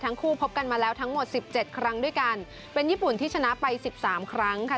ทั้งคู่พบกันมาแล้วทั้งหมดสิบเจ็ดครั้งด้วยกันเป็นญี่ปุ่นที่ชนะไปสิบสามครั้งค่ะ